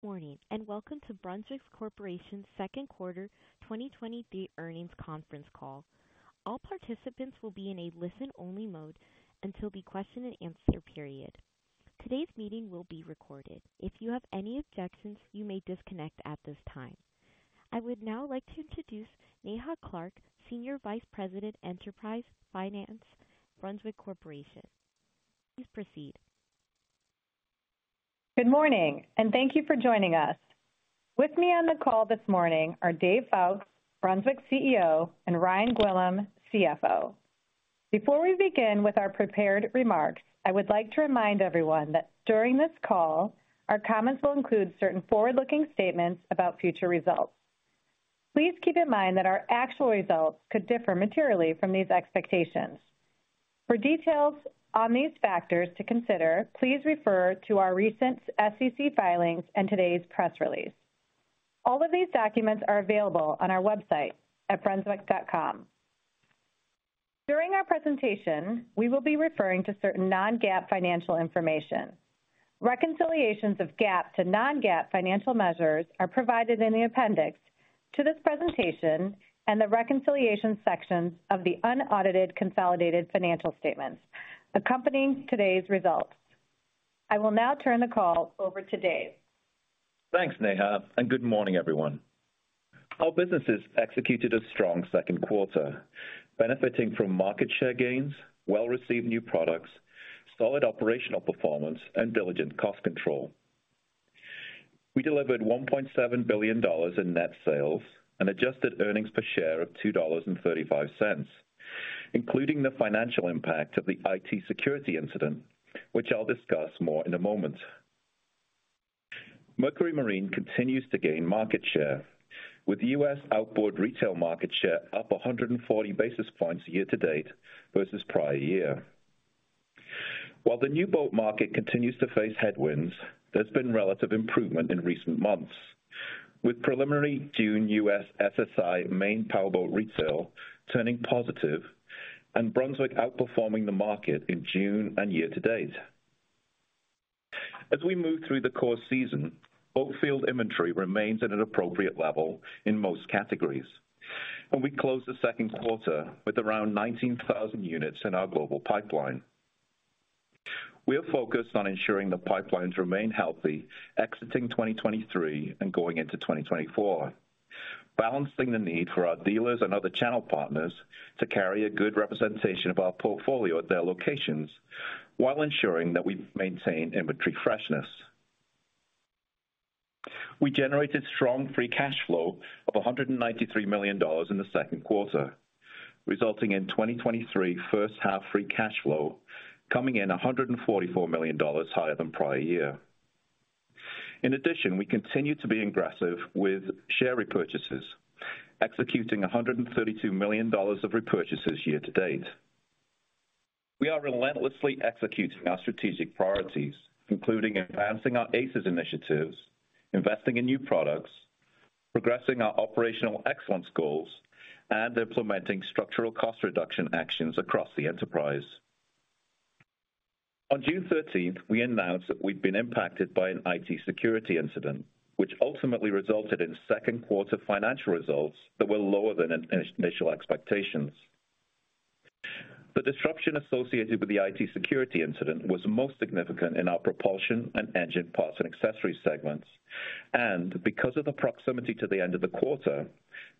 Good morning, welcome to Brunswick Corporation's Second Quarter 2023 Earnings Conference Call. All participants will be in a listen-only mode until the question-and-answer period. Today's meeting will be recorded. If you have any objections, you may disconnect at this time. I would now like to introduce Neha Clark, Senior Vice President, Enterprise Finance, Brunswick Corporation. Please proceed. Good morning, and thank you for joining us. With me on the call this morning are Dave Foulkes, Brunswick CEO, and Ryan Gwillim, CFO. Before we begin with our prepared remarks, I would like to remind everyone that during this call, our comments will include certain forward-looking statements about future results. Please keep in mind that our actual results could differ materially from these expectations. For details on these factors to consider, please refer to our recent SEC filings and today's press release. All of these documents are available on our website at brunswick.com. During our presentation, we will be referring to certain non-GAAP financial information. Reconciliations of GAAP to non-GAAP financial measures are provided in the appendix to this presentation and the reconciliation sections of the unaudited consolidated financial statements accompanying today's results. I will now turn the call over to Dave. Thanks, Neha. Good morning, everyone. Our businesses executed a strong second quarter, benefiting from market share gains, well-received new products, solid operational performance, and diligent cost control. We delivered $1.7 billion in net sales and adjusted earnings per share of $2.35, including the financial impact of the IT security incident, which I'll discuss more in a moment. Mercury Marine continues to gain market share, with U.S. outboard retail market share up 140 basis points year-to-date versus prior year. While the new boat market continues to face headwinds, there's been relative improvement in recent months, with preliminary June U.S. FSI main powerboat retail turning positive and Brunswick outperforming the market in June and year-to-date. As we move through the core season, boat field inventory remains at an appropriate level in most categories, and we closed the second quarter with around 19,000 units in our global pipeline. We are focused on ensuring the pipelines remain healthy, exiting 2023 and going into 2024, balancing the need for our dealers and other channel partners to carry a good representation of our portfolio at their locations while ensuring that we maintain inventory freshness. We generated strong free cash flow of $193 million in the second quarter, resulting in 2023 first half free cash flow coming in $144 million higher than prior year. In addition, we continue to be aggressive with share repurchases, executing $132 million of repurchases year to date. We are relentlessly executing our strategic priorities, including enhancing our ACES initiatives, investing in new products, progressing our operational excellence goals, and implementing structural cost reduction actions across the enterprise. On June 13th, we announced that we'd been impacted by an IT security incident, which ultimately resulted in second quarter financial results that were lower than initial expectations. Because of the proximity to the end of the quarter,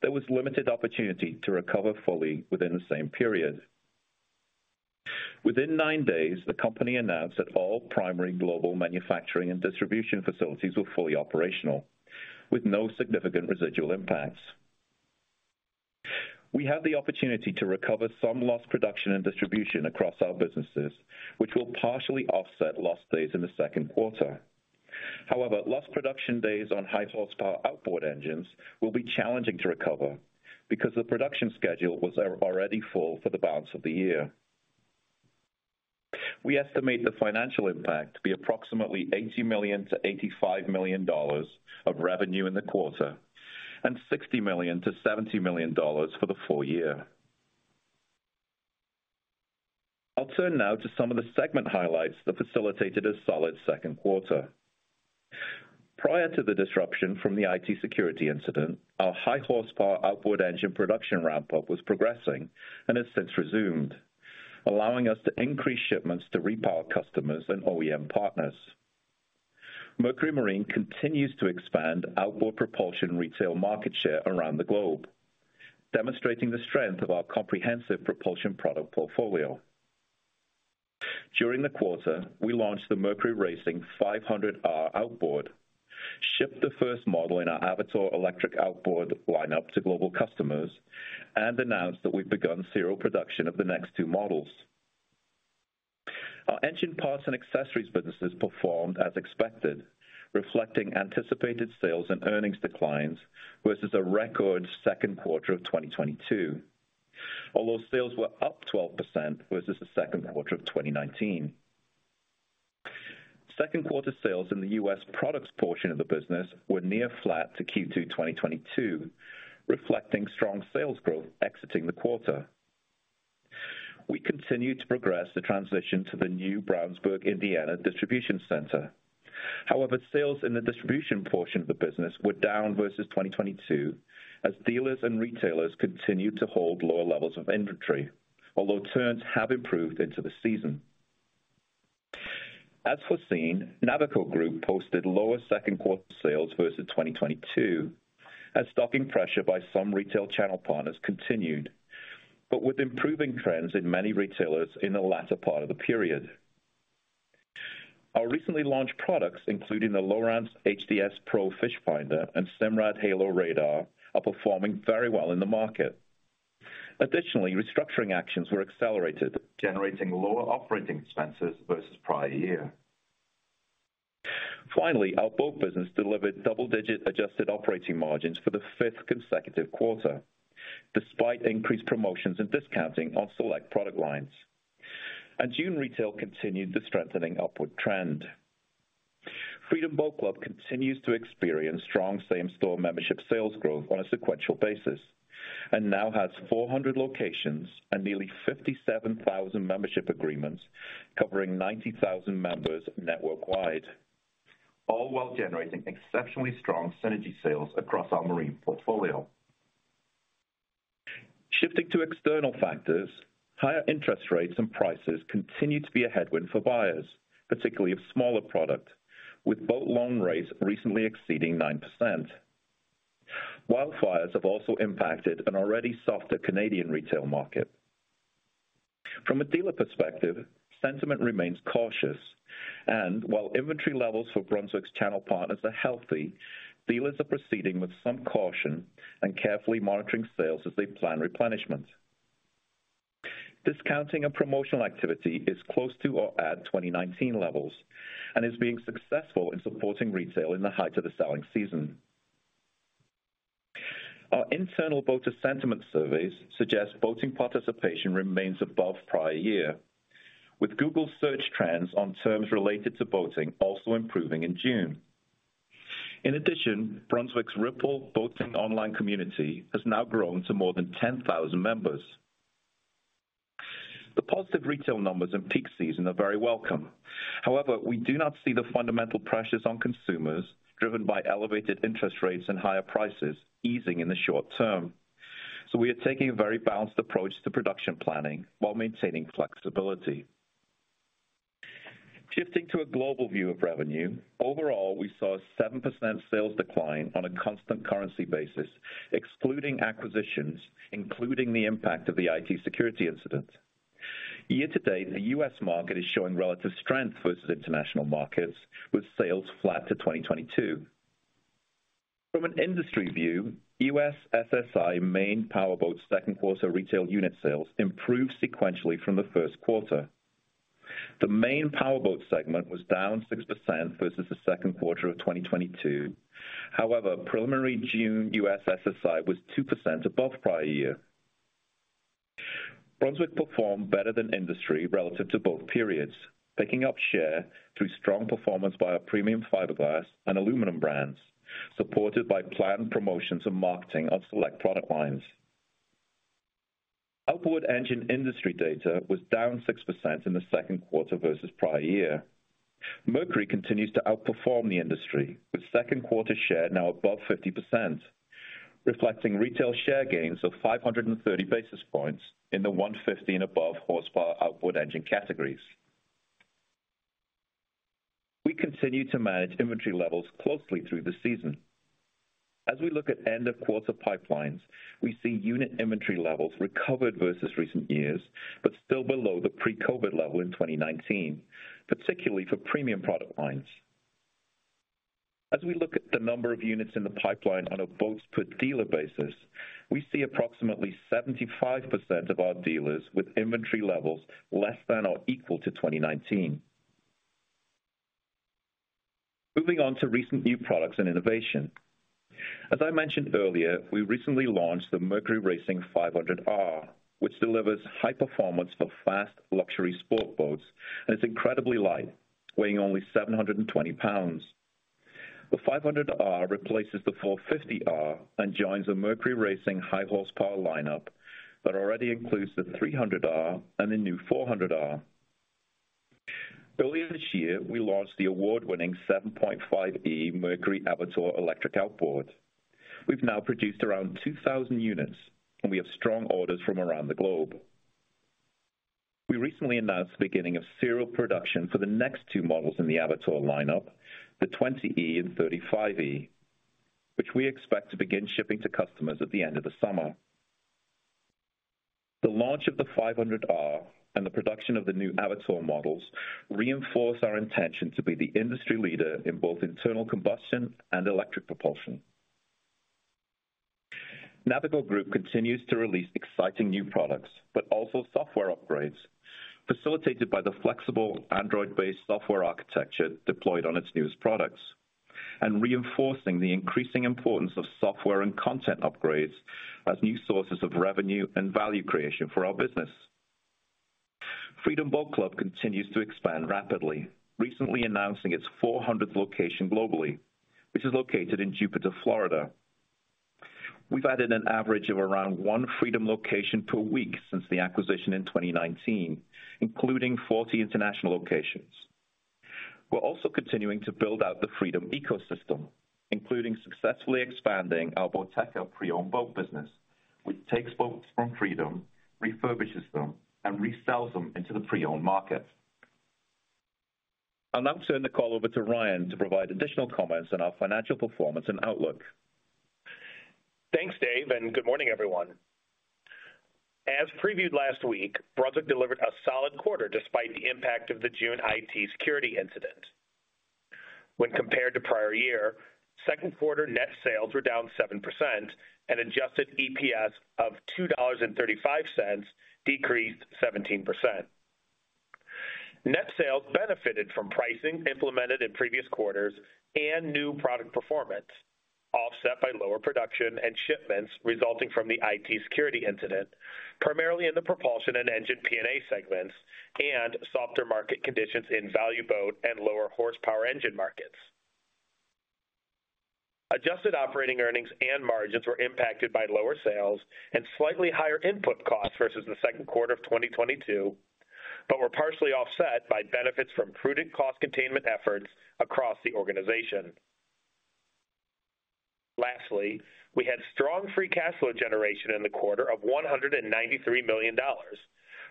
there was limited opportunity to recover fully within the same period. Within nine days, the company announced that all primary global manufacturing and distribution facilities were fully operational, with no significant residual impacts. We had the opportunity to recover some lost production and distribution across our businesses, which will partially offset lost days in the second quarter. However, lost production days on high horsepower outboard engines will be challenging to recover because the production schedule was already full for the balance of the year. We estimate the financial impact to be approximately $80 million-$85 million of revenue in the quarter and $60 million-$70 million for the full year. I'll turn now to some of the segment highlights that facilitated a solid second quarter. Prior to the disruption from the IT security incident, our high horsepower outboard engine production ramp-up was progressing and has since resumed, allowing us to increase shipments to repower customers and OEM partners. Mercury Marine continues to expand outboard propulsion retail market share around the globe, demonstrating the strength of our comprehensive propulsion product portfolio. During the quarter, we launched the Mercury Racing 500R outboard, shipped the first model in our Avator electric outboard lineup to global customers, and announced that we've begun serial production of the next two models. Our engine parts and accessories businesses performed as expected, reflecting anticipated sales and earnings declines versus a record second quarter of 2022. Although sales were up 12% versus the second quarter of 2019. Second quarter sales in the U.S. products portion of the business were near flat to Q2 2022, reflecting strong sales growth exiting the quarter. We continue to progress the transition to the new Brownsburg, Indiana distribution center. However, sales in the distribution portion of the business were down versus 2022, as dealers and retailers continued to hold lower levels of inventory, although turns have improved into the season. As foreseen, Navico Group posted lower second quarter sales versus 2022, as stocking pressure by some retail channel partners continued, with improving trends in many retailers in the latter part of the period. Our recently launched products, including the Lowrance HDS PRO Fish Finder and Simrad HALO Radar, are performing very well in the market. Additionally, restructuring actions were accelerated, generating lower operating expenses versus prior year. Finally, our boat business delivered double-digit adjusted operating margins for the fifth consecutive quarter, despite increased promotions and discounting on select product lines. June retail continued the strengthening upward trend. Freedom Boat Club continues to experience strong same-store membership sales growth on a sequential basis, now has 400 locations and nearly 57,000 membership agreements covering 90,000 members network-wide, all while generating exceptionally strong synergy sales across our marine portfolio. Shifting to external factors, higher interest rates and prices continue to be a headwind for buyers, particularly of smaller product, with boat loan rates recently exceeding 9%. Wildfires have also impacted an already softer Canadian retail market. From a dealer perspective, sentiment remains cautious, and while inventory levels for Brunswick's channel partners are healthy, dealers are proceeding with some caution and carefully monitoring sales as they plan replenishment. Discounting and promotional activity is close to or at 2019 levels and is being successful in supporting retail in the height of the selling season. Our internal boater sentiment surveys suggest boating participation remains above prior year, with Google search trends on terms related to boating also improving in June. In addition, Brunswick's Ripple Boating online community has now grown to more than 10,000 members. The positive retail numbers in peak season are very welcome. However, we do not see the fundamental pressures on consumers, driven by elevated interest rates and higher prices, easing in the short term. We are taking a very balanced approach to production planning while maintaining flexibility. Shifting to a global view of revenue, overall, we saw a 7% sales decline on a constant currency basis, excluding acquisitions, including the impact of the IT security incident. Year to date, the U.S. market is showing relative strength versus international markets, with sales flat to 2022. From an industry view, U.S. FSI main powerboat second quarter retail unit sales improved sequentially from the first quarter. The main powerboat segment was down 6% versus the second quarter of 2022. However, preliminary June U.S. FSI was 2% above prior year. Brunswick performed better than industry relative to both periods, picking up share through strong performance by our premium fiberglass and aluminum brands, supported by planned promotions and marketing of select product lines. Outboard engine industry data was down 6% in the second quarter versus prior year. Mercury continues to outperform the industry, with second quarter share now above 50%, reflecting retail share gains of 530 basis points in the 150 and above horsepower outboard engine categories. We continue to manage inventory levels closely through the season. As we look at end of quarter pipelines, we see unit inventory levels recovered versus recent years, but still below the pre-COVID level in 2019, particularly for premium product lines. As we look at the number of units in the pipeline on a boats per dealer basis, we see approximately 75% of our dealers with inventory levels less than or equal to 2019. Moving on to recent new products and innovation. As I mentioned earlier, we recently launched the Mercury Racing 500R, which delivers high performance for fast luxury sport boats and is incredibly light, weighing only 720 pounds. The 500R replaces the 450R and joins the Mercury Racing high horsepower lineup that already includes the 300R and the new 400R. Earlier this year, we launched the award-winning Mercury Avator 7.5e electric outboard. We've now produced around 2,000 units, and we have strong orders from around the globe. We recently announced the beginning of serial production for the next two models in the Avator lineup, the 20e and 35e, which we expect to begin shipping to customers at the end of the summer. The launch of the 500R and the production of the new Avator models reinforce our intention to be the industry leader in both internal combustion and electric propulsion. Navico Group continues to release exciting new products, but also software upgrades, facilitated by the flexible Android-based software architecture deployed on its newest products, and reinforcing the increasing importance of software and content upgrades as new sources of revenue and value creation for our business. Freedom Boat Club continues to expand rapidly, recently announcing its 400th location globally, which is located in Jupiter, Florida. We've added an average of around one Freedom location per week since the acquisition in 2019, including 40 international locations. We're also continuing to build out the Freedom ecosystem, including successfully expanding our Boateka pre-owned boat business, which takes boats from Freedom, refurbishes them and resells them into the pre-owned market. I'll now turn the call over to Ryan to provide additional comments on our financial performance and outlook. Thanks, Dave, and good morning, everyone. As previewed last week, Brunswick delivered a solid quarter despite the impact of the June IT security incident. When compared to prior year, second quarter net sales were down 7% and adjusted EPS of $2.35 decreased 17%. Net sales benefited from pricing implemented in previous quarters and new product performance, offset by lower production and shipments resulting from the IT security incident, primarily in the propulsion and engine P&A segments and softer market conditions in value boat and lower horsepower engine markets. Adjusted operating earnings and margins were impacted by lower sales and slightly higher input costs versus the second quarter of 2022, but were partially offset by benefits from prudent cost containment efforts across the organization. Lastly, we had strong free cash flow generation in the quarter of $193 million,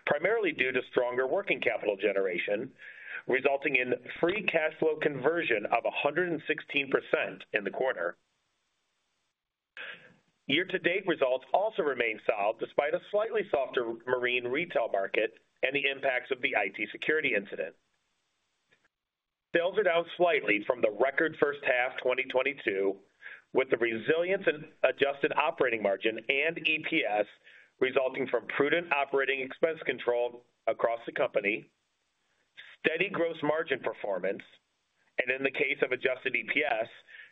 primarily due to stronger working capital generation, resulting in free cash flow conversion of 116% in the quarter. Year-to-date results also remain solid, despite a slightly softer marine retail market and the impacts of the IT security incident. Sales are down slightly from the record first half 2022, with the resilience in adjusted operating margin and EPS resulting from prudent operating expense control across the company, steady gross margin performance, and in the case of adjusted EPS,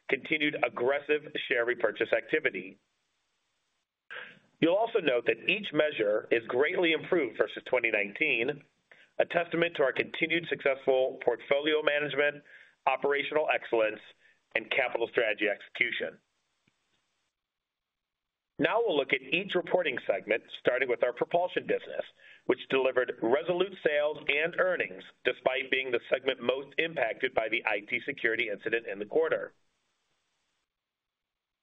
continued aggressive share repurchase activity. You'll also note that each measure is greatly improved versus 2019, a testament to our continued successful portfolio management, operational excellence and capital strategy execution. Now we'll look at each reporting segment, starting with our propulsion business, which delivered resolute sales and earnings despite being the segment most impacted by the IT security incident in the quarter.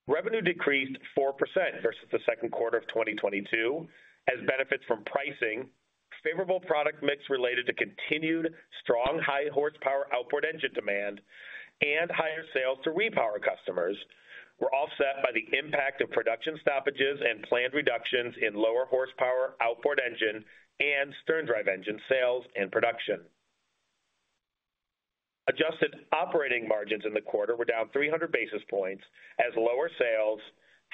Revenue decreased 4% versus the second quarter of 2022 as benefits from pricing, favorable product mix related to continued strong high horsepower outboard engine demand, and higher sales to repower customers were offset by the impact of production stoppages and planned reductions in lower horsepower outboard engine and stern drive engine sales and production. Adjusted operating margins in the quarter were down 300 basis points as lower sales,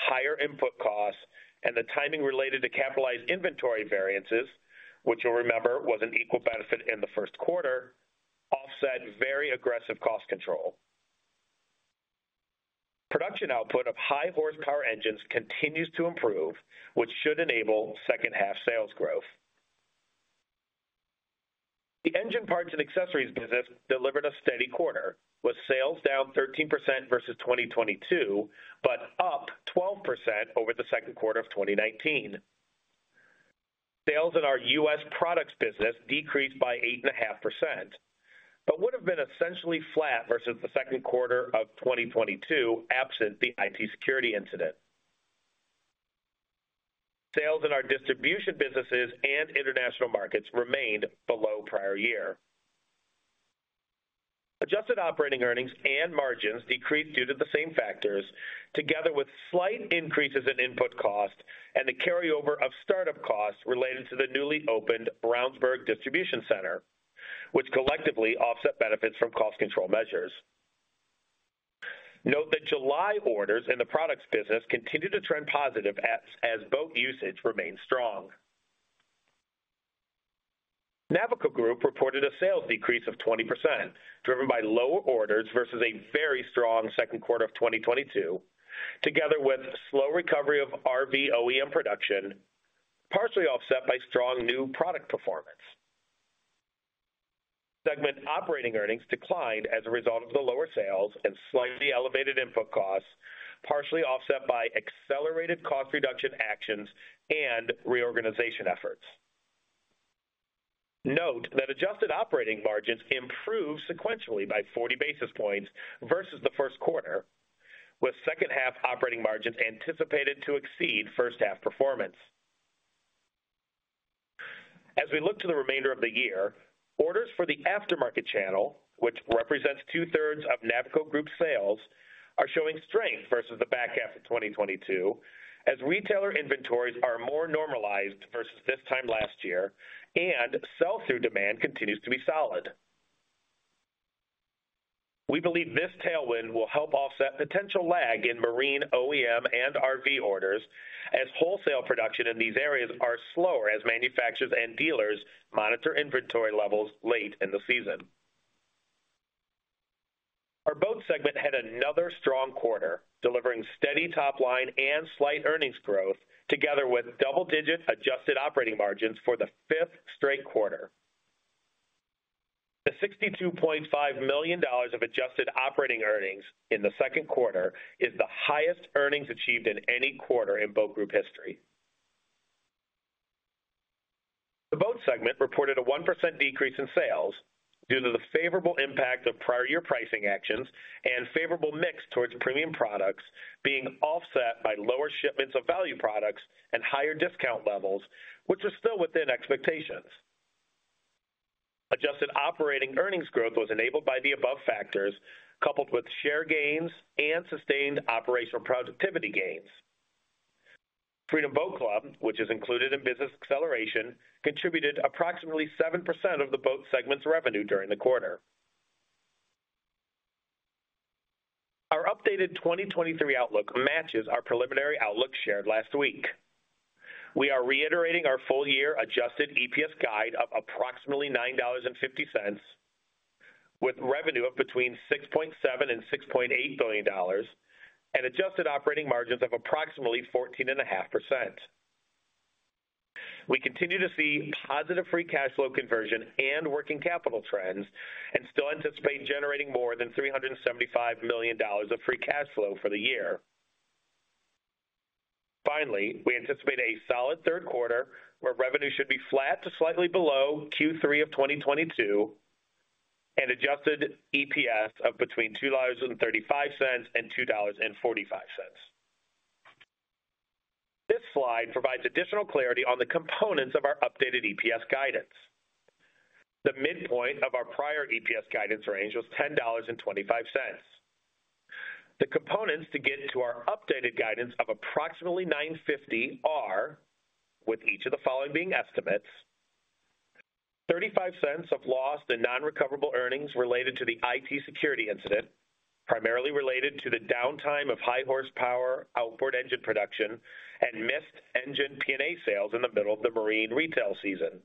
higher input costs, and the timing related to capitalized inventory variances, which you'll remember, was an equal benefit in the first quarter, offset very aggressive cost control. Production output of high horsepower engines continues to improve, which should enable second half sales growth. The engine parts and accessories business delivered a steady quarter, with sales down 13% versus 2022, but up 12% over the second quarter of 2019. Sales in our U.S. products business decreased by 8.5%, but would have been essentially flat versus the second quarter of 2022, absent the IT security incident. Sales in our distribution businesses and international markets remained below prior year. Adjusted operating earnings and margins decreased due to the same factors, together with slight increases in input cost and the carryover of start-up costs related to the newly opened Brownsburg distribution center, which collectively offset benefits from cost control measures. Note that July orders in the products business continued to trend positive as boat usage remains strong. Navico Group reported a sales decrease of 20%, driven by lower orders versus a very strong second quarter of 2022, together with slow recovery of RV OEM production, partially offset by strong new product performance. Segment operating earnings declined as a result of the lower sales and slightly elevated input costs, partially offset by accelerated cost reduction actions and reorganization efforts. Note that adjusted operating margins improved sequentially by 40 basis points versus the first quarter, with second half operating margins anticipated to exceed first half performance. We look to the remainder of the year, orders for the aftermarket channel, which represents two-thirds of Navico Group sales, are showing strength versus the back half of 2022, as retailer inventories are more normalized versus this time last year, and sell-through demand continues to be solid. We believe this tailwind will help offset potential lag in marine, OEM, and RV orders, as wholesale production in these areas are slower as manufacturers and dealers monitor inventory levels late in the season. Our Boat Segment had another strong quarter, delivering steady top line and slight earnings growth, together with double-digit adjusted operating margins for the fifth straight quarter. The $62.5 million of adjusted operating earnings in the second quarter is the highest earnings achieved in any quarter in Boat Group history. The Boat Segment reported a 1% decrease in sales due to the favorable impact of prior year pricing actions and favorable mix towards premium products, being offset by lower shipments of value products and higher discount levels, which are still within expectations. Adjusted operating earnings growth was enabled by the above factors, coupled with share gains and sustained operational productivity gains. Freedom Boat Club, which is included in Business Acceleration, contributed approximately 7% of the boat segment's revenue during the quarter. Our updated 2023 outlook matches our preliminary outlook shared last week. We are reiterating our full year adjusted EPS guide of approximately $9.50, with revenue of between $6.7 billion and $6.8 billion, and adjusted operating margins of approximately 14.5%. We continue to see positive free cash flow conversion and working capital trends, still anticipate generating more than $375 million of free cash flow for the year. Finally, we anticipate a solid third quarter, where revenue should be flat to slightly below Q3 of 2022, and adjusted EPS of between $2.35 and $2.45. This slide provides additional clarity on the components of our updated EPS guidance. The midpoint of our prior EPS guidance range was $10.25. The components to get to our updated guidance of approximately $9.50 are, with each of the following being estimates: $0.35 of loss and non-recoverable earnings related to the IT security incident, primarily related to the downtime of high horsepower, outboard engine production, and missed engine P&A sales in the middle of the marine retail season.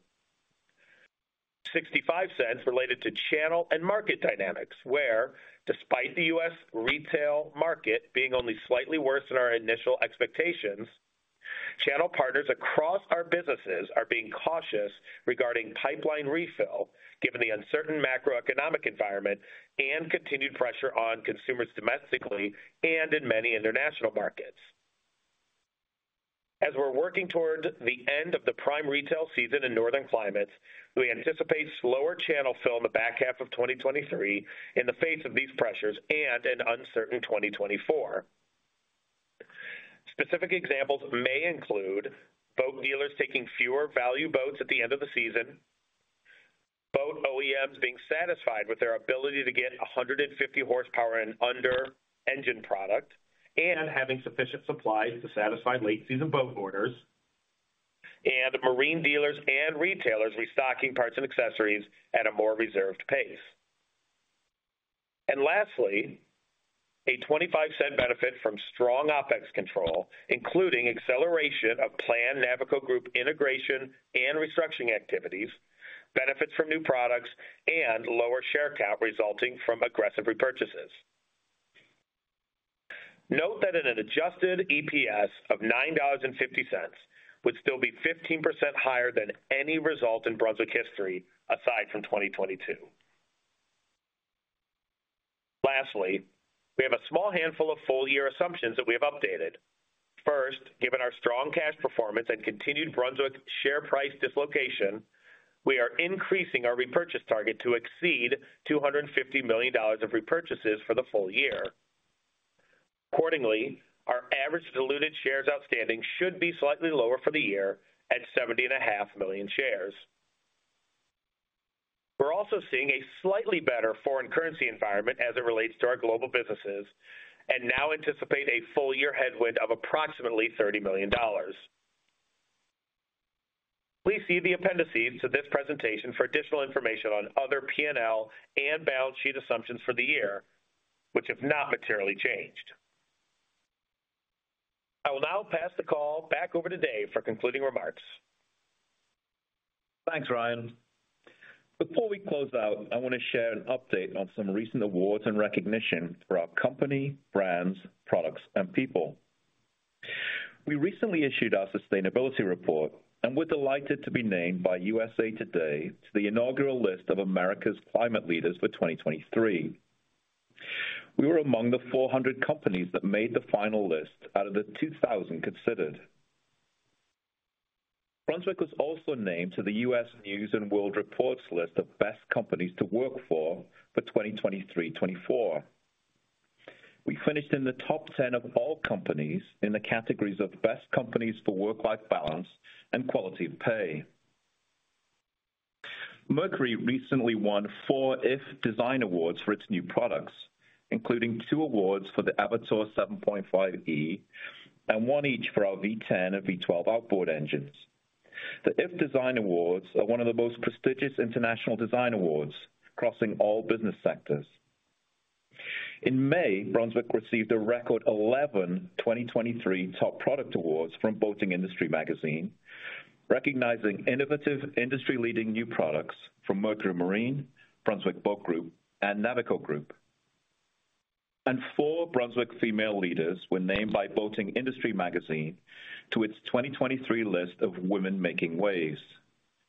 $0.65 related to channel and market dynamics, where, despite the U.S. retail market being only slightly worse than our initial expectations, channel partners across our businesses are being cautious regarding pipeline refill, given the uncertain macroeconomic environment and continued pressure on consumers domestically and in many international markets. As we're working towards the end of the prime retail season in northern climates, we anticipate slower channel fill in the back half of 2023 in the face of these pressures and an uncertain 2024. Specific examples may include boat dealers taking fewer value boats at the end of the season, boat OEMs being satisfied with their ability to get 150 horsepower and under engine product, and having sufficient supplies to satisfy late season boat orders, and marine dealers and retailers restocking parts and accessories at a more reserved pace. Lastly, a $0.25 benefit from strong OpEx control, including acceleration of planned Navico Group integration and restructuring activities, benefits from new products, and lower share count resulting from aggressive repurchases. Note that at an adjusted EPS of $9.50 would still be 15% higher than any result in Brunswick history, aside from 2022. We have a small handful of full year assumptions that we have updated. Given our strong cash performance and continued Brunswick share price dislocation, we are increasing our repurchase target to exceed $250 million of repurchases for the full year. Accordingly, our average diluted shares outstanding should be slightly lower for the year at 70.5 million shares. We're also seeing a slightly better foreign currency environment as it relates to our global businesses, and now anticipate a full year headwind of approximately $30 million. Please see the appendices to this presentation for additional information on other P&L and balance sheet assumptions for the year, which have not materially changed. I will now pass the call back over to Dave for concluding remarks. Thanks, Ryan. Before we close out, I want to share an update on some recent awards and recognition for our company, brands, products, and people. We recently issued our sustainability report, and we're delighted to be named by USA TODAY to the inaugural list of America's Climate Leaders for 2023. We were among the 400 companies that made the final list out of the 2,000 considered. Brunswick was also named to the U.S. News & World Report list of best companies to work for, for 2023, 2024. We finished in the top 10 of all companies in the categories of Best Companies for Work-Life Balance and Quality of Pay. Mercury recently won four iF DESIGN AWARDs for its new products, including two awards for the Avator 7.5e and one each for our V10 and V12 outboard engines. The iF DESIGN AWARDs are one of the most prestigious international design awards, crossing all business sectors. In May, Brunswick received a record 11 2023 top product awards from Boating Industry Magazine, recognizing innovative, industry-leading new products from Mercury Marine, Brunswick Boat Group, and Navico Group. Four Brunswick female leaders were named by Boating Industry Magazine to its 2023 list of Women Making Waves,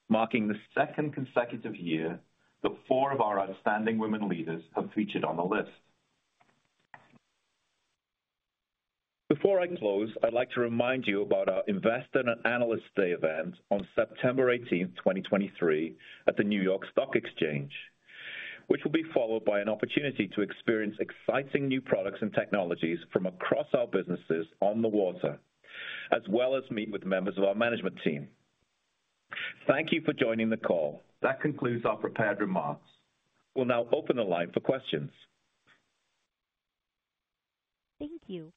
marking the second consecutive year that four of our outstanding women leaders have featured on the list. Before I close, I'd like to remind you about our Investor and Analyst Day event on September 18th, 2023, at the New York Stock Exchange, which will be followed by an opportunity to experience exciting new products and technologies from across our businesses on the water, as well as meet with members of our management team. Thank you for joining the call. That concludes our prepared remarks. We'll now open the line for questions. Thank you.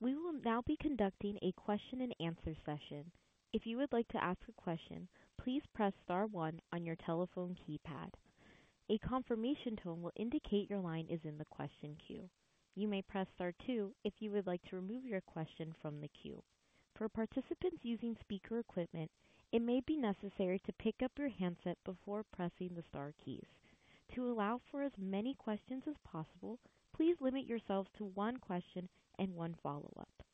We will now be conducting a question-and-answer session. If you would like to ask a question, please press star one on your telephone keypad. A confirmation tone will indicate your line is in the question queue. You may press star two if you would like to remove your question from the queue. For participants using speaker equipment, it may be necessary to pick up your handset before pressing the star keys. To allow for as many questions as possible, please limit yourselves to one question and one follow-up.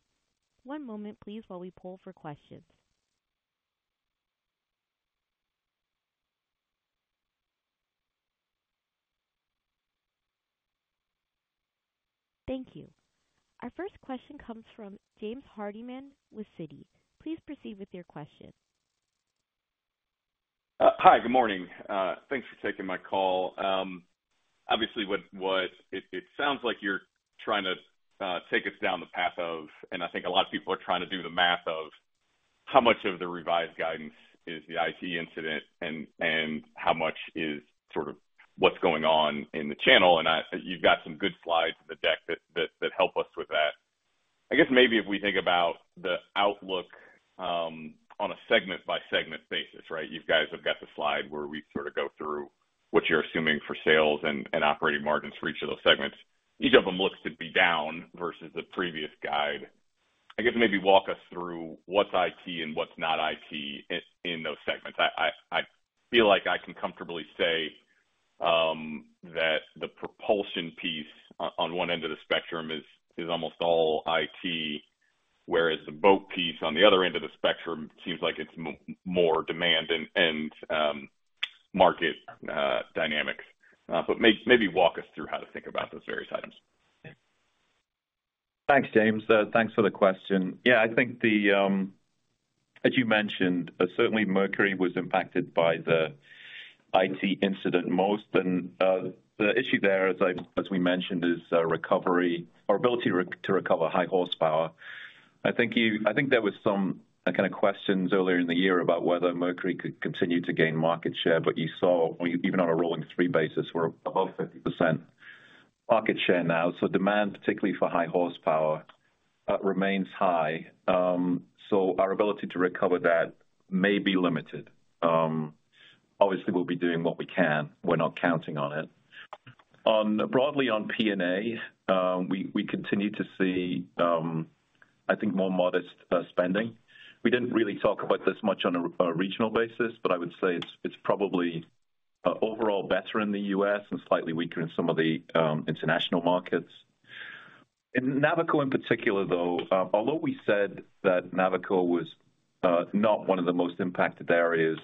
One moment, please, while we poll for questions. Thank you. Our first question comes from James Hardiman with Citi. Please proceed with your question. Hi, good morning. Thanks for taking my call. Obviously, it sounds like you're trying to take us down the path of, and I think a lot of people are trying to do the math of, how much of the revised guidance is the IT incident and how much is sort of what's going on in the channel? You've got some good slides in the deck that help us with that. I guess maybe if we think about the outlook on a segment-by-segment basis, right? You guys have got the slide where we sort of go through what you're assuming for sales and operating margins for each of those segments. Each of them looks to be down versus the previous guide. I guess maybe walk us through what's IT and what's not IT in those segments. I feel like I can comfortably say that the propulsion piece on one end of the spectrum is almost all IT, whereas the boat piece on the other end of the spectrum seems like it's more demand and market dynamics. Maybe walk us through how to think about those various items. Thanks, James. Thanks for the question. Yeah, I think the, as you mentioned, certainly Mercury was impacted by the IT incident most. The issue there, as we mentioned, is recovery or ability to recover high horsepower. I think there was some kind of questions earlier in the year about whether Mercury could continue to gain market share. You saw even on a rolling three basis, we're above 50% market share now. Demand, particularly for high horsepower, remains high. Our ability to recover that may be limited. Obviously, we'll be doing what we can. We're not counting on it. Broadly on P&A, we continue to see, I think, more modest spending. We didn't really talk about this much on a regional basis, but I would say it's probably overall better in the U.S. and slightly weaker in some of the international markets. In Navico in particular, though, although we said that Navico was not one of the most impacted areas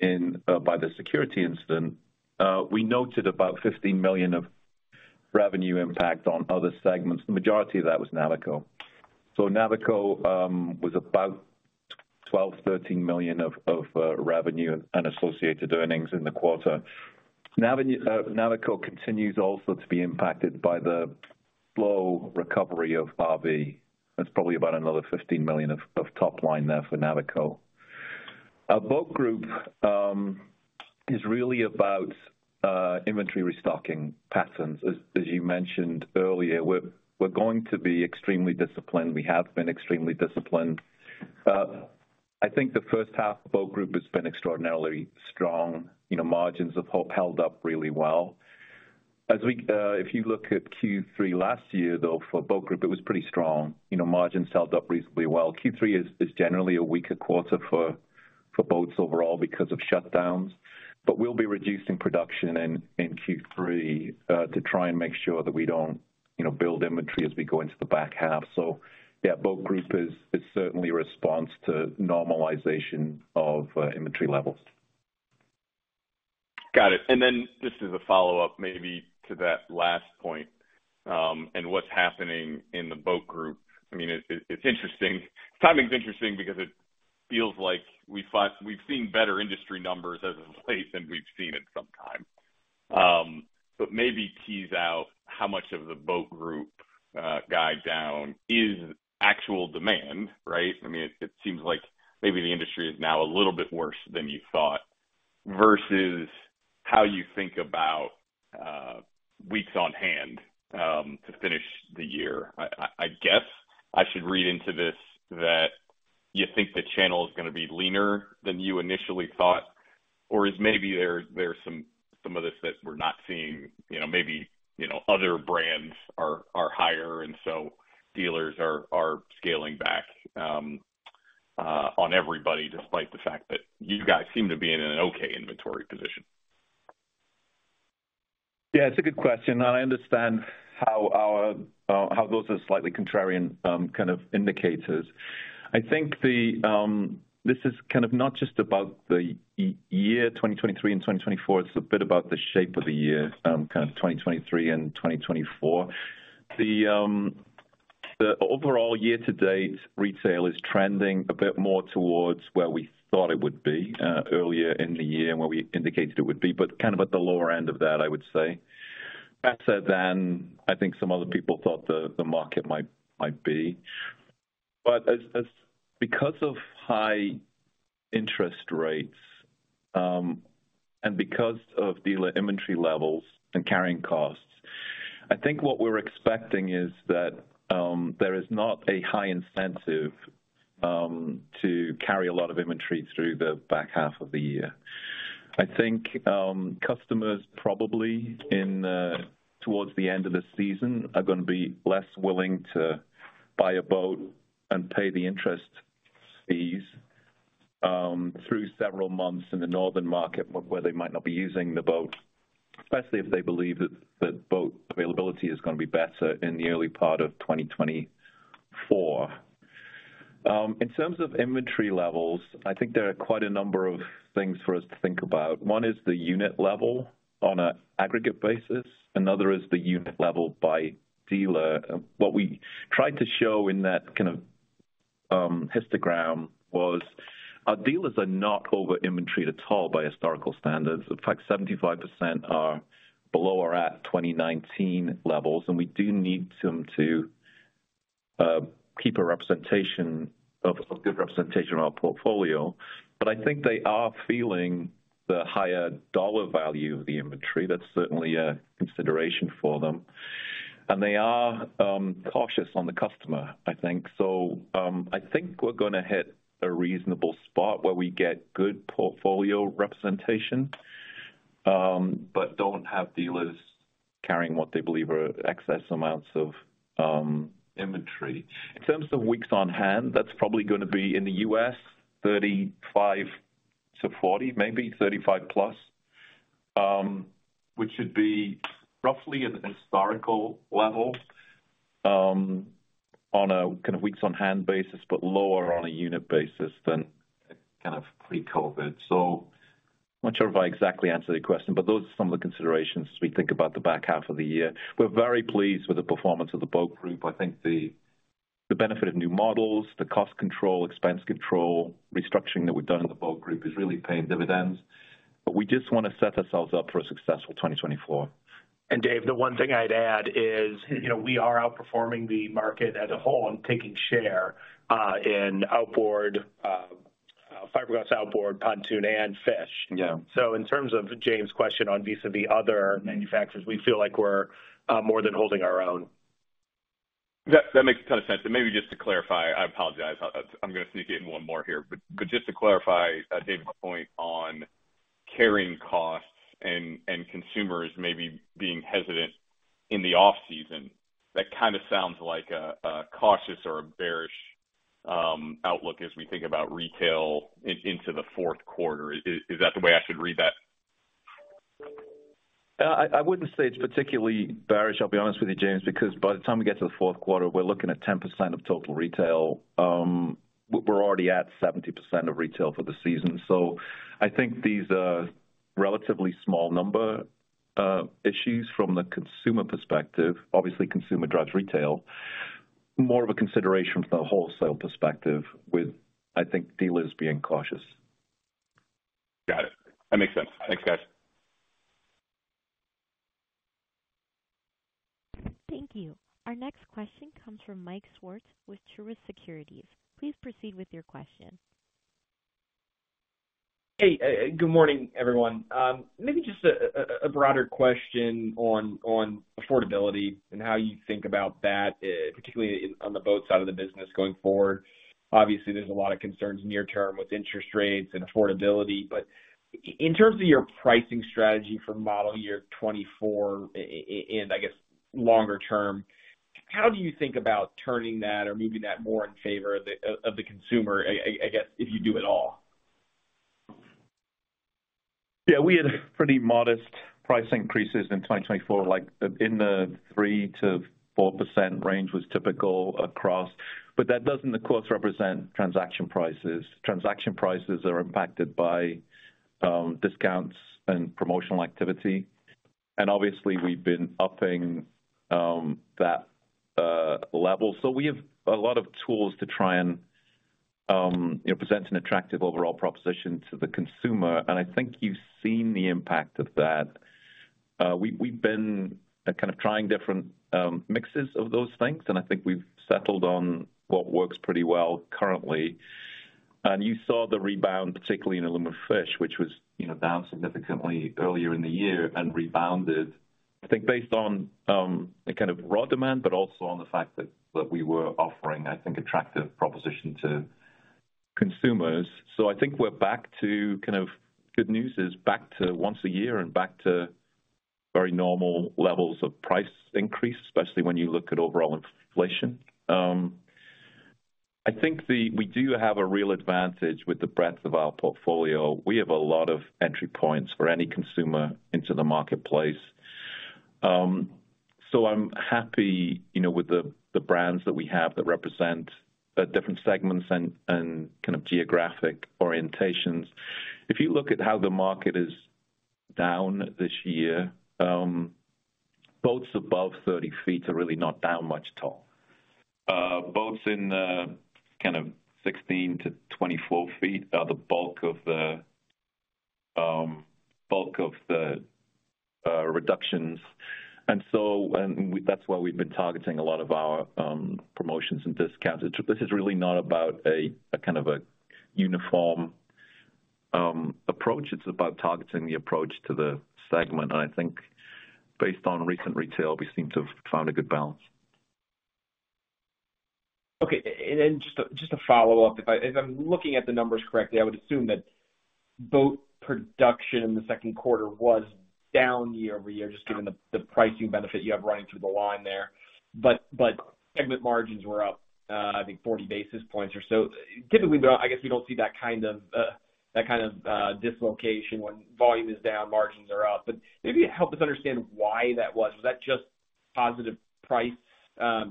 in by the security incident, we noted about $15 million of revenue impact on other segments. The majority of that was Navico. Navico was about $12 million-$13 million of revenue and associated earnings in the quarter. Navico continues also to be impacted by the slow recovery of RV. That's probably about another $15 million of top line there for Navico. Our Boat Group is really about inventory restocking patterns. As you mentioned earlier, we're going to be extremely disciplined. We have been extremely disciplined. I think the first half of Boat Group has been extraordinarily strong. You know, margins have held up really well. As we, if you look at Q3 last year, though, for Boat Group, it was pretty strong. You know, margins held up reasonably well. Q3 is generally a weaker quarter for boats overall because of shutdowns, but we'll be reducing production in Q3 to try and make sure that we don't, you know, build inventory as we go into the back half. Yeah, Boat Group is certainly a response to normalization of inventory levels. Got it. Just as a follow-up, maybe to that last point, and what's happening in the Boat Group. It's interesting. Timing's interesting because it feels like we thought we've seen better industry numbers as of late than we've seen in some time. Maybe tease out how much of the Boat Group guide down is actual demand, right? It seems like maybe the industry is now a little bit worse than you thought, versus how you think about weeks on hand to finish the year. I guess I should read into this that you think the channel is going to be leaner than you initially thought, or is maybe there, there's some, some of this that we're not seeing, you know, maybe, you know, other brands are, are higher, and so dealers are, are scaling back on everybody, despite the fact that you guys seem to be in an okay inventory position? Yeah, it's a good question. I understand how our how those are slightly contrarian kind of indicators. I think the, this is kind of not just about the year 2023 and 2024, it's a bit about the shape of the year, kind of 2023 and 2024. The overall year-to-date retail is trending a bit more towards where we thought it would be earlier in the year and where we indicated it would be, but kind of at the lower end of that, I would say. Better than I think some other people thought the market might be. As because of high interest rates, and because of dealer inventory levels and carrying costs, I think what we're expecting is that there is not a high incentive to carry a lot of inventory through the back half of the year. I think customers probably in towards the end of the season, are going to be less willing to buy a boat and pay the interest fees through several months in the northern market, where they might not be using the boat, especially if they believe that boat availability is going to be better in the early part of 2024. In terms of inventory levels, I think there are quite a number of things for us to think about. One is the unit level on an aggregate basis, another is the unit level by dealer. What we tried to show in that kind of histogram was, our dealers are not over-inventoried at all by historical standards. In fact, 75% are below or at 2019 levels. We do need them to keep a representation of, a good representation of our portfolio. I think they are feeling the higher dollar value of the inventory. That's certainly a consideration for them. They are cautious on the customer, I think. I think we're going to hit a reasonable spot where we get good portfolio representation, but don't have dealers carrying what they believe are excess amounts of inventory. In terms of weeks on hand, that's probably going to be in the U.S., 35-40, maybe 35+. Which should be roughly a historical level, on a kind of weeks-on-hand basis, but lower on a unit basis than kind of pre-COVID. I'm not sure if I exactly answered your question, but those are some of the considerations as we think about the back half of the year. We're very pleased with the performance of the Boat Group. I think the benefit of new models, the cost control, expense control, restructuring that we've done in the Boat Group is really paying dividends, but we just want to set ourselves up for a successful 2024. Dave, you know, we are outperforming the market as a whole and taking share in outboard, fiberglass outboard, pontoon, and fish. In terms of James' question on vis-à-vis other manufacturers, we feel like we're more than holding our own. That makes a ton of sense. Maybe just to clarify, I apologize, I'm going to sneak in one more here. Just to clarify, Dave, my point on carrying costs and, and consumers maybe being hesitant in the off-season, that kind of sounds like a, a cautious or a bearish outlook as we think about retail into the fourth quarter. Is that the way I should read that? I, I wouldn't say it's particularly bearish, I'll be honest with you, James, because by the time we get to the fourth quarter, we're looking at 10% of total retail. We're already at 70% of retail for the season. I think these are relatively small number, issues from the consumer perspective. Obviously, consumer drives retail. More of a consideration from a wholesale perspective with, I think, dealers being cautious. Got it. That makes sense. Thanks, guys. Thank you. Our next question comes from Mike Swartz with Truist Securities. Please proceed with your question. Hey, good morning, everyone. Maybe just a broader question on affordability and how you think about that, particularly on the boat side of the business going forward. Obviously, there's a lot of concerns near term with interest rates and affordability, but in terms of your pricing strategy for model year 2024, and I guess longer term, how do you think about turning that or moving that more in favor of the consumer, I guess, if you do at all? Yeah, we had pretty modest price increases in 2024, like in the 3%-4% range was typical across. That doesn't, of course, represent transaction prices. Transaction prices are impacted by discounts and promotional activity. Obviously, we've been upping that level. We have a lot of tools to try and, you know, present an attractive overall proposition to the consumer, and I think you've seen the impact of that. We've been kind of trying different mixes of those things, and I think we've settled on what works pretty well currently. You saw the rebound, particularly in aluminum fish, which was, you know, down significantly earlier in the year and rebounded, I think, based on a kind of raw demand, but also on the fact that we were offering, I think, attractive proposition to consumers. I think we're back to kind of good news is back to once a year and back to very normal levels of price increase, especially when you look at overall inflation. I think we do have a real advantage with the breadth of our portfolio. We have a lot of entry points for any consumer into the marketplace. I'm happy, you know, with the, the brands that we have that represent the different segments and, and kind of geographic orientations. If you look at how the market is down this year, boats above 30 feet are really not down much at all. Boats in the, kind of 16 to 24 feet are the bulk of the reductions. That's why we've been targeting a lot of our promotions and discounts. This is really not about a kind of a uniform approach. It's about targeting the approach to the segment. I think based on recent retail, we seem to have found a good balance. Okay. Then just a follow-up. If I'm looking at the numbers correctly, I would assume that boat production in the second quarter was down year-over-year, just given the pricing benefit you have running through the line there. Segment margins were up, I think 40 basis points or so. Typically, though, I guess we don't see that kind of, that kind of dislocation when volume is down, margins are up. Maybe help us understand why that was. Was that just positive price,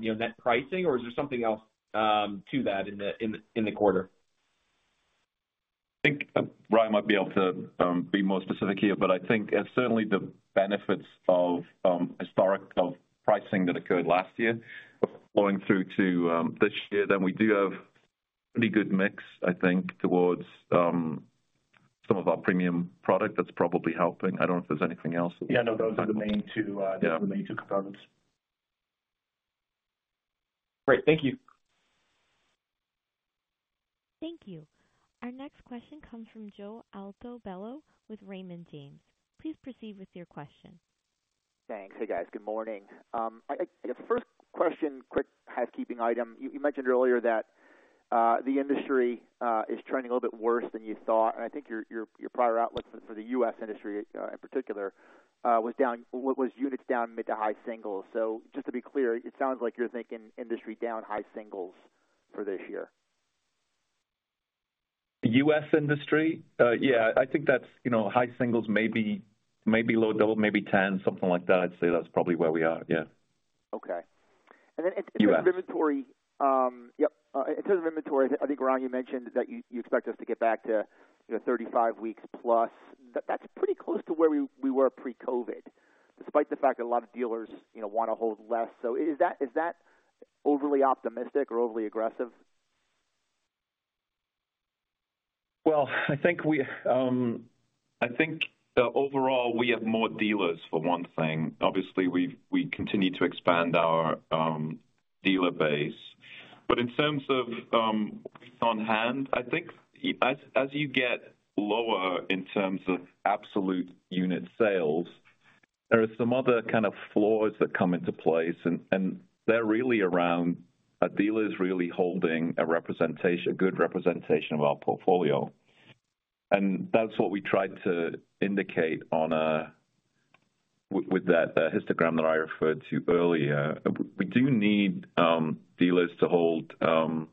you know, net pricing, or is there something else to that in the quarter? I think Ryan might be able to be more specific here, but I think certainly the benefits of historic of pricing that occurred last year are flowing through to this year. We do have pretty good mix, I think, towards some of our premium product that's probably helping. I don't know if there's anything else. Yeah, no, those are the main two. The main two components. Great. Thank you. Thank you. Our next question comes from Joe Altobello with Raymond James. Please proceed with your question. Thanks. Hey, guys. Good morning. The first question, quick housekeeping item. You mentioned earlier that the industry is trending a little bit worse than you thought. I think your prior outlook for the U.S. industry in particular, was units down mid to high singles. Just to be clear, it sounds like you're thinking industry down high singles for this year? The U.S. industry? Yeah, I think that's, you know, high singles, maybe low double, maybe 10, something like that. I'd say that's probably where we are. Yeah. Okay. U.S. In terms of inventory, I think, Ryan, you mentioned that you expect us to get back to, you know, 35 weeks plus. That's pretty close to where we were pre-COVID, despite the fact that a lot of dealers, you know, want to hold less. Is that overly optimistic or overly aggressive? I think we, I think overall, we have more dealers, for one thing. Obviously, we continue to expand our dealer base. In terms of on hand, I think as, as you get lower in terms of absolute unit sales, there are some other kind of flaws that come into place, and, and they're really around a dealer is really holding a representation, a good representation of our portfolio. That's what we tried to indicate with that histogram that I referred to earlier. We do need dealers to hold, you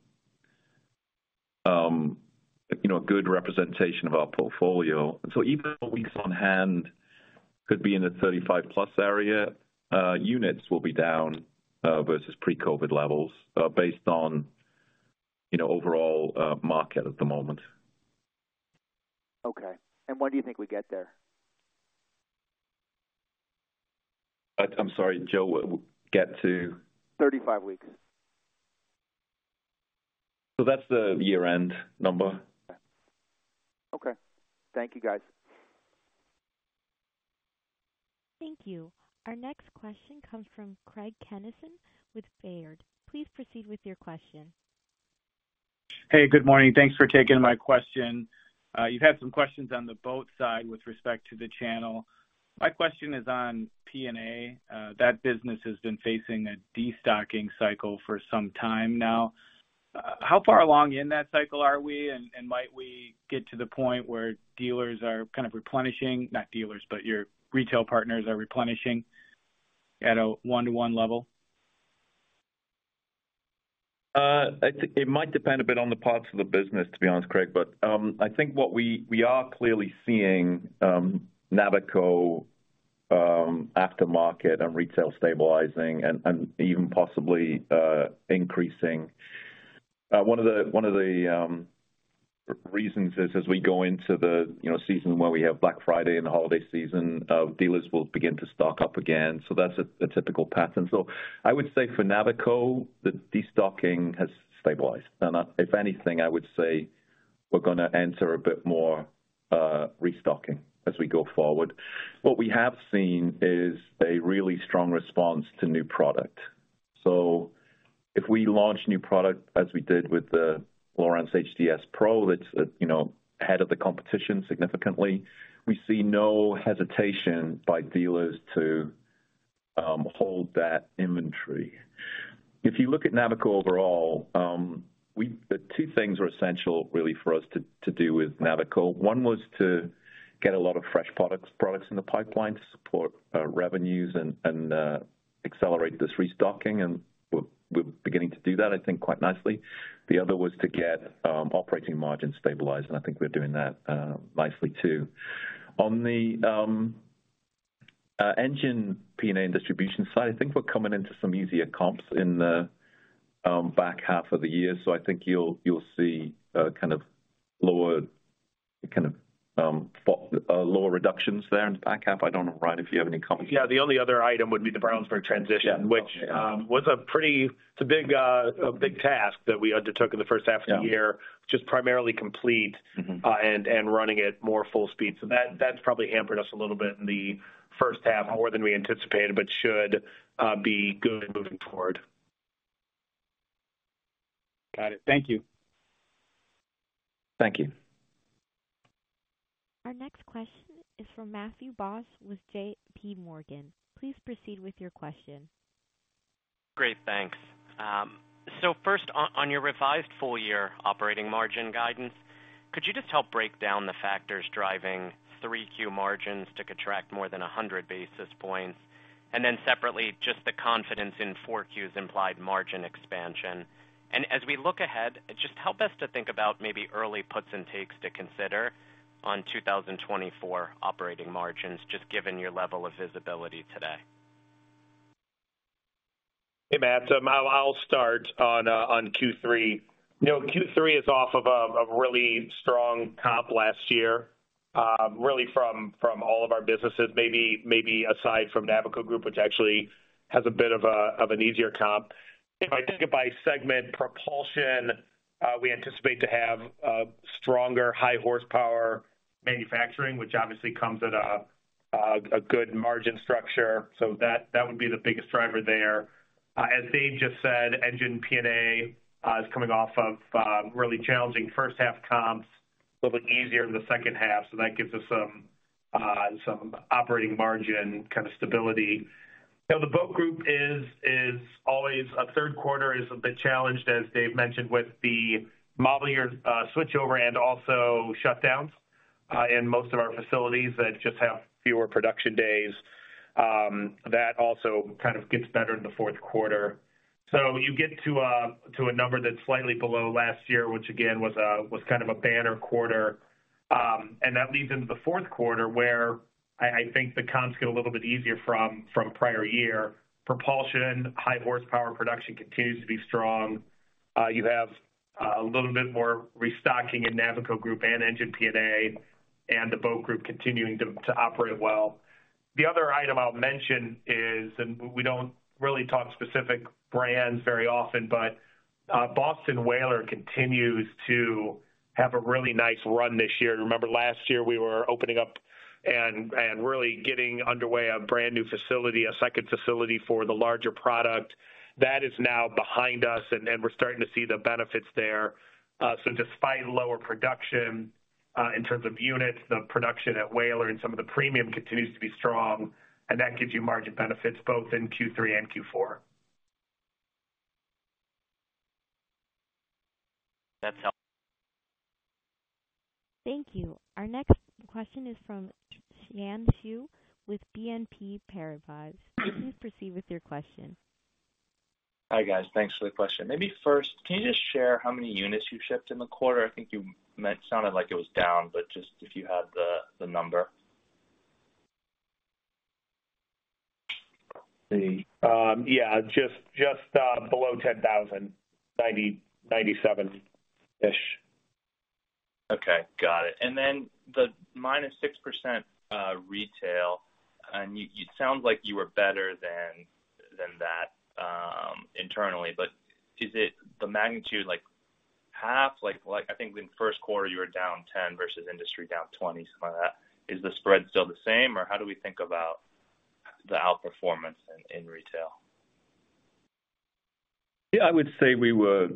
know, a good representation of our portfolio. Even though weeks on hand could be in the 35 plus area, units will be down versus pre-COVID levels, based on, you know, overall market at the moment. Okay. When do you think we get there? I'm sorry, Joe, get to? 35 weeks. That's the year-end number. Okay. Thank you, guys. Thank you. Our next question comes from Craig Kennison with Baird. Please proceed with your question. Hey, good morning. Thanks for taking my question. You've had some questions on the boat side with respect to the channel. My question is on P&A. That business has been facing a destocking cycle for some time now. How far along in that cycle are we? Might we get to the point where dealers are kind of replenishing, not dealers, but your retail partners are replenishing at a one-to-one level? It might depend a bit on the parts of the business, to be honest, Craig, but I think what we are clearly seeing, Navico, aftermarket and retail stabilizing and even possibly increasing. One of the reasons is as we go into the, you know, season where we have Black Friday and the holiday season, dealers will begin to stock up again. That's a typical pattern. I would say for Navico, the destocking has stabilized, and if anything, I would say we're gonna enter a bit more restocking as we go forward. What we have seen is a really strong response to new product. If we launch new product, as we did with the Lowrance HDS PRO, that's, you know, ahead of the competition significantly, we see no hesitation by dealers. hold that inventory. If you look at Navico overall, the two things are essential really for us to do with Navico. One was to get a lot of fresh products in the pipeline to support revenues and accelerate this restocking, and we're beginning to do that, I think, quite nicely. The other was to get operating margins stabilized, and I think we're doing that nicely too. On the engine P&A and distribution side, I think we're coming into some easier comps in the back half of the year. I think you'll see kind of lower reductions there in the back half. I don't know, Ryan, if you have any comments? Yeah, the only other item would be the Brownsburg transition, which, was a pretty. It's a big, a big task that we undertook in the first half of the year which is primarily complete and running at more full speed. That's probably hampered us a little bit in the first half, more than we anticipated, but should be good moving forward. Got it. Thank you. Thank you. Our next question is from Matthew Boss with JPMorgan. Please proceed with your question. Great, thanks. First, on, on your revised full year operating margin guidance, could you just help break down the factors driving 3Q margins to contract more than 100 basis points? Separately, just the confidence in 4Q's implied margin expansion? As we look ahead, just help us to think about maybe early puts and takes to consider on 2024 operating margins, just given your level of visibility today? Hey, Matt. I'll start on Q3. You know, Q3 is off of a really strong comp last year, really from all of our businesses, maybe aside from Navico Group, which actually has a bit of an easier comp. If I think about segment propulsion, we anticipate to have a stronger, high horsepower manufacturing, which obviously comes at a good margin structure. That would be the biggest driver there. As Dave just said, Engine P&A is coming off of really challenging first half comps, a little bit easier in the second half. That gives us some operating margin kind of stability. The Boat Group is always a third quarter is a bit challenged, as Dave mentioned, with the model year switchover and also shutdowns in most of our facilities that just have fewer production days. That also kind of gets better in the fourth quarter. You get to a number that's slightly below last year, which again, was kind of a banner quarter. That leads into the fourth quarter, where I think the comps get a little bit easier from prior year. Propulsion, high horsepower production continues to be strong. You have a little bit more restocking in Navico Group and Engine P&A, the Boat Group continuing to operate well. The other item I'll mention is, and we don't really talk specific brands very often, but Boston Whaler continues to have a really nice run this year. Remember last year, we were opening up and really getting underway a brand new facility, a second facility for the larger product. That is now behind us, and we're starting to see the benefits there. Despite lower production, in terms of units, the production at Whaler and some of the premium continues to be strong, and that gives you margin benefits both in Q3 and Q4. That's helpful. Thank you. Our next question is from Xian Siew with BNP Paribas. Please proceed with your question. Hi, guys. Thanks for the question. Maybe first, can you just share how many units you shipped in the quarter? I think you sounded like it was down, but just if you had the number. Let me, yeah, just below 10,000, 97-ish. Okay, got it. The -6% retail, you, it sounds like you were better than that, internally. Is it the magnitude, like half? I think in the first quarter, you were down 10 versus industry, down 20, something like that. Is the spread still the same, or how do we think about the outperformance in retail? I would say we were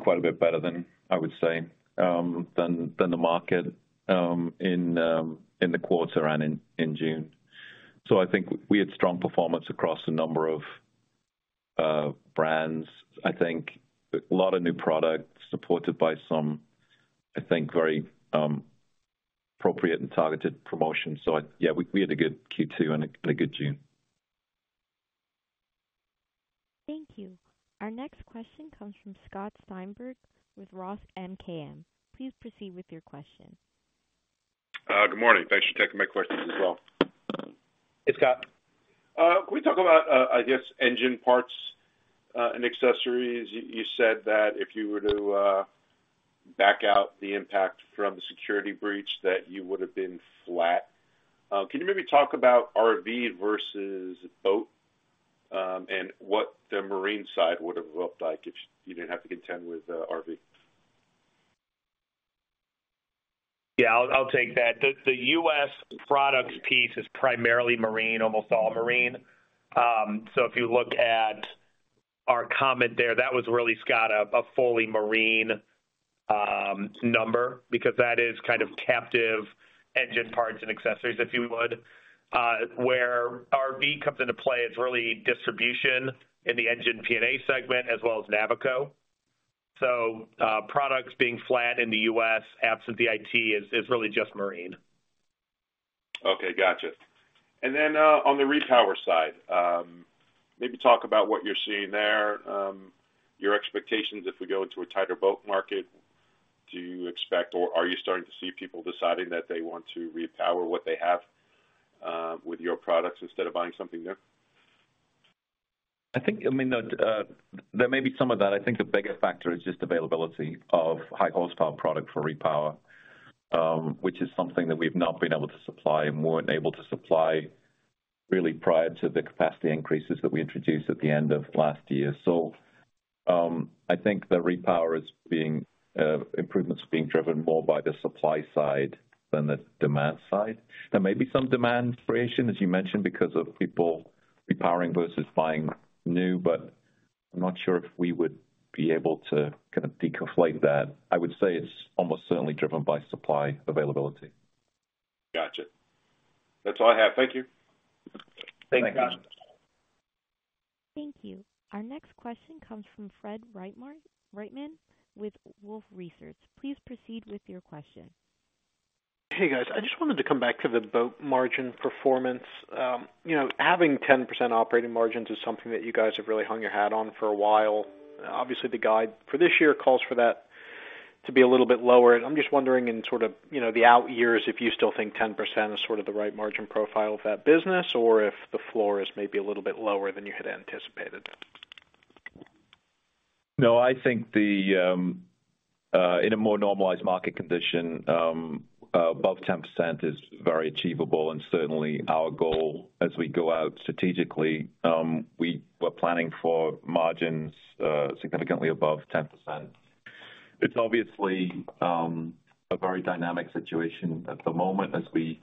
quite a bit better than, I would say, than the market, in the quarter and in June. I think we had strong performance across a number of brands. I think a lot of new products supported by some, I think, very appropriate and targeted promotions. We had a good Q2 and a good June. Thank you. Our next question comes from Scott Stember with Roth MKM. Please proceed with your question. Good morning. Thanks for taking my question as well. Hey, Scott. Can we talk about, I guess, engine parts, and accessories? You said that if you were to back out the impact from the security breach, that you would have been flat. Can you maybe talk about RV versus boat, and what the marine side would have looked like if you didn't have to contend with RV? Yeah, I'll take that. The U.S. products piece is primarily marine, almost all marine. If you look at our comment there, that was really, Scott, a fully marine number, because that is kind of captive engine parts and accessories, if you would. Where RV comes into play is really distribution in the engine P&A segment as well as Navico. Products being flat in the U.S., absent the IT, is really just marine. Okay, gotcha. Then, on the repower side, maybe talk about what you're seeing there? Your expectations if we go into a tighter boat market, do you expect, or are you starting to see people deciding that they want to repower what they have, with your products instead of buying something new? I think, I mean, there may be some of that. I think the bigger factor is just availability of high horsepower product for repower, which is something that we've not been able to supply and weren't able to supply really prior to the capacity increases that we introduced at the end of last year. I think improvements are being driven more by the supply side than the demand side. There may be some demand creation, as you mentioned, because of people repowering versus buying new, but I'm not sure if we would be able to kind of deflate that. I would say it's almost certainly driven by supply availability. Gotcha. That's all I have. Thank you. Thank you. Thank you. Our next question comes from Fred Wightman with Wolfe Research. Please proceed with your question. Hey, guys. I just wanted to come back to the boat margin performance. you know, having 10% operating margins is something that you guys have really hung your hat on for a while. Obviously, the guide for this year calls for that to be a little bit lower, and I'm just wondering in sort of, you know, the out years, if you still think 10% is sort of the right margin profile of that business, or if the floor is maybe a little bit lower than you had anticipated? I think the in a more normalized market condition, above 10% is very achievable, and certainly our goal as we go out strategically, we were planning for margins significantly above 10%. It's obviously a very dynamic situation at the moment as we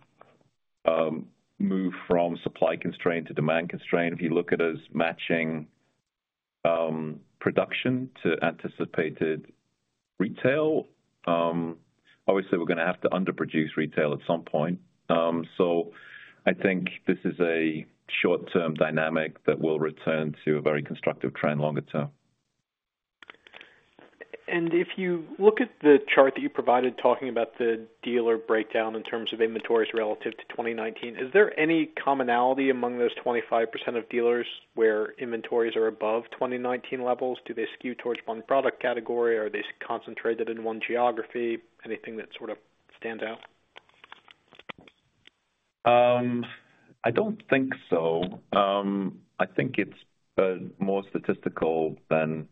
move from supply constraint to demand constraint. If you look at us matching production to anticipated retail, obviously, we're going to have to underproduce retail at some point. I think this is a short-term dynamic that will return to a very constructive trend longer term. If you look at the chart that you provided, talking about the dealer breakdown in terms of inventories relative to 2019, is there any commonality among those 25% of dealers where inventories are above 2019 levels? Do they skew towards one product category? Are they concentrated in one geography? Anything that sort of stands out? I don't think so. I think it's more statistical than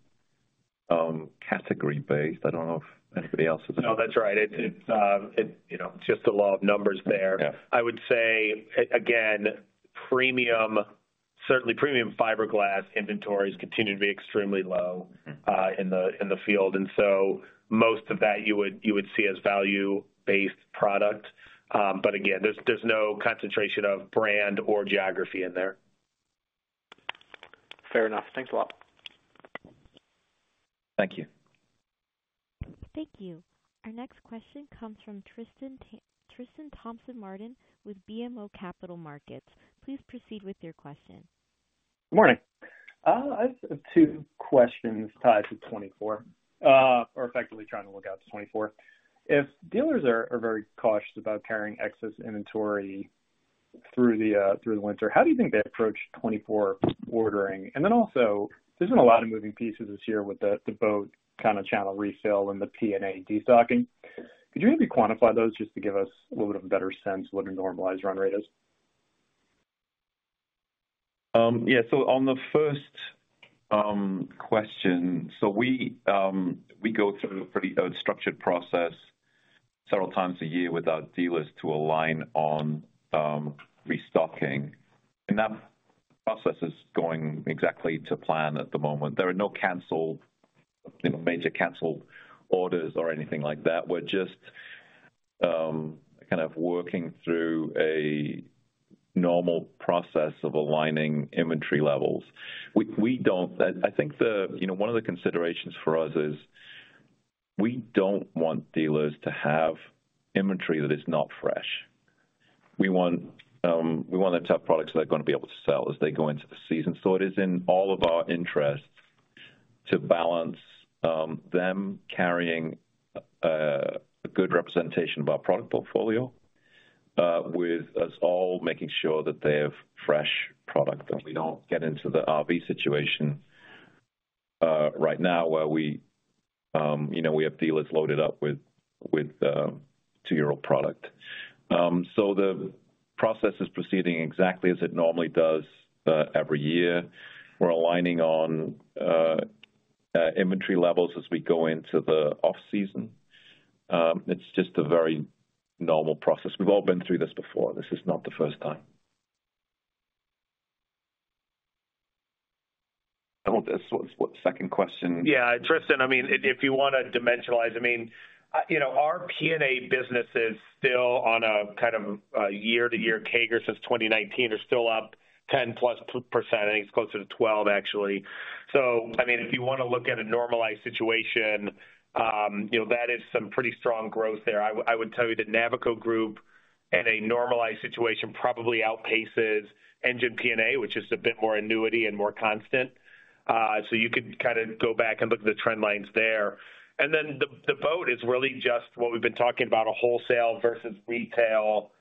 category-based. I don't know if anybody else is. No, that's right. It's, it, you know, just the law of numbers there. I would say, again, certainly premium fiberglass inventories continue to be extremely low in the field. Most of that you would see as value-based product. Again, there's no concentration of brand or geography in there. Fair enough. Thanks a lot. Thank you. Thank you. Our next question comes from Tristan Thomas-Martin with BMO Capital Markets. Please proceed with your question. Good morning. I have two questions tied to 2024, or effectively trying to look out to 2024. If dealers are very cautious about carrying excess inventory through the winter, how do you think they approach 2024 ordering? Also, there's been a lot of moving pieces this year with the boat kind of channel refill and the P&A destocking. Could you maybe quantify those just to give us a little bit of a better sense of what a normalized run rate is? Yeah. On the first question, we go through a pretty structured process several times a year with our dealers to align on restocking, that process is going exactly to plan at the moment. There are no canceled, you know, major canceled orders or anything like that. We're just kind of working through a normal process of aligning inventory levels. I think the, you know, one of the considerations for us is, we don't want dealers to have inventory that is not fresh. We want, we want them to have products they're going to be able to sell as they go into the season. It is in all of our interests to balance, them carrying, a good representation of our product portfolio, with us all making sure that they have fresh product, and we don't get into the RV situation, right now, where we, you know, we have dealers loaded up with, two-year-old product. The process is proceeding exactly as it normally does, every year. We're aligning on, inventory levels as we go into the off-season. It's just a very normal process. We've all been through this before. This is not the first time. What is, what's the second question? Yeah, Tristan, I mean, if you want to dimensionalize, I mean, you know, our P&A business is still on a kind of year-to-year CAGR since 2019, are still 10+%, I think it's closer to 12, actually. I mean, if you want to look at a normalized situation, you know, that is some pretty strong growth there. I would tell you that Navico Group, in a normalized situation, probably outpaces Engine P&A, which is a bit more annuity and more constant. You could kind of go back and look at the trend lines there. The boat is really just what we've been talking about, a wholesale versus retail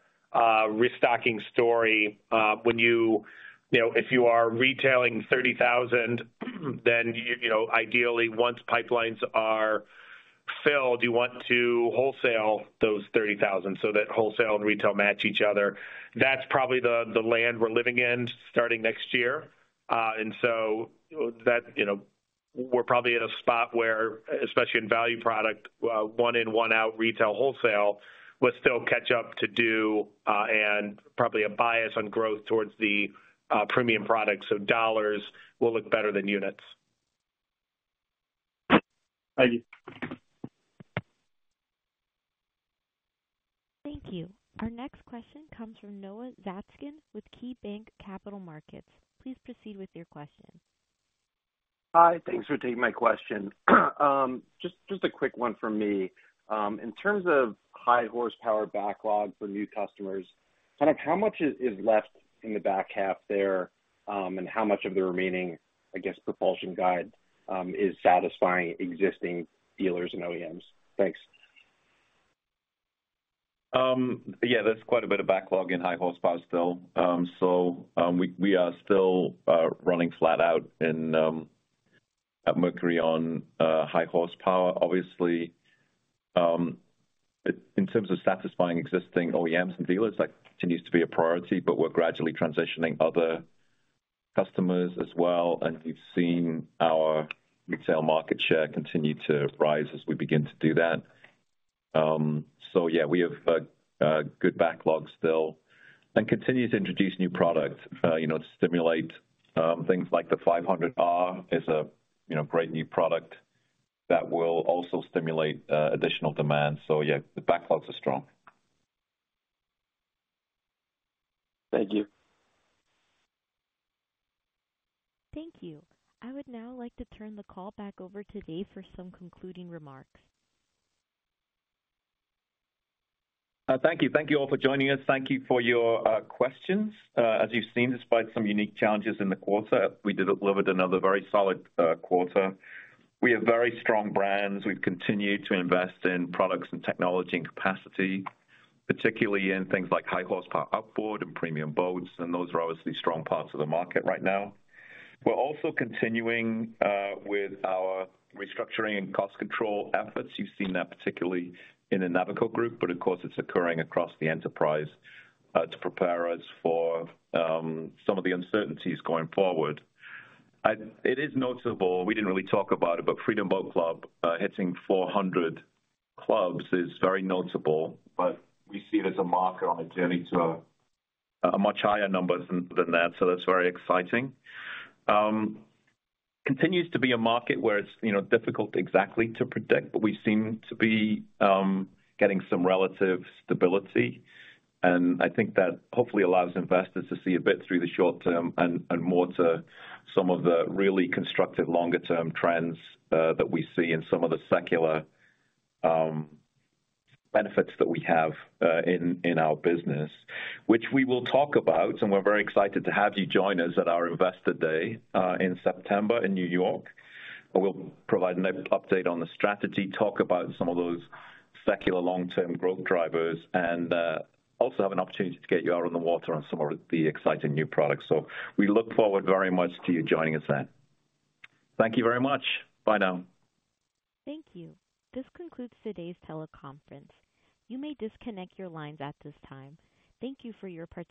restocking story. When you. You know, if you are retailing 30,000, then, you know, ideally, once pipelines are filled, you want to wholesale those 30,000, so that wholesale and retail match each other. That's probably the land we're living in starting next year. That, you know, we're probably at a spot where, especially in value product, one in, one out retail wholesale, with still catch up to do, and probably a bias on growth towards the premium product. Dollars will look better than units. Thank you. Thank you. Our next question comes from Noah Zatzkin with KeyBanc Capital Markets. Please proceed with your question. Hi, thanks for taking my question. Just a quick one from me. In terms of high horsepower backlog for new customers, kind of how much is left in the back half there, and how much of the remaining, I guess, propulsion guide, is satisfying existing dealers and OEMs? Thanks. Yeah, there's quite a bit of backlog in high horsepower still. We are still running flat out in at Mercury on high horsepower. Obviously, in terms of satisfying existing OEMs and dealers, that continues to be a priority, but we're gradually transitioning other customers as well, and we've seen our retail market share continue to rise as we begin to do that. Yeah, we have a good backlog still and continue to introduce new product, you know, to stimulate things like the 500R is a, you know, great new product that will also stimulate additional demand. Yeah, the backlogs are strong. Thank you. Thank you. I would now like to turn the call back over to Dave for some concluding remarks. Thank you. Thank you all for joining us. Thank you for your questions. As you've seen, despite some unique challenges in the quarter, we delivered another very solid quarter. We have very strong brands. We've continued to invest in products and technology and capacity, particularly in things like high horsepower outboard and premium boats, and those are obviously strong parts of the market right now. We're also continuing with our restructuring and cost control efforts. You've seen that particularly in the Navico Group, but of course, it's occurring across the enterprise to prepare us for some of the uncertainties going forward. It is notable, we didn't really talk about it, but Freedom Boat Club hitting 400 clubs is very notable, but we see it as a marker on a journey to a much higher numbers than that, so that's very exciting. continues to be a market where it's, you know, difficult exactly to predict, but we seem to be getting some relative stability, and I think that hopefully allows investors to see a bit through the short term and more to some of the really constructive longer term trends that we see in some of the secular benefits that we have in our business, which we will talk about, and we're very excited to have you join us at our Investor Day in September, in New York. We'll provide an update on the strategy, talk about some of those secular long-term growth drivers, and also have an opportunity to get you out on the water on some of the exciting new products. We look forward very much to you joining us then. Thank you very much. Bye now. Thank you. This concludes today's teleconference. You may disconnect your lines at this time. Thank you for your participation.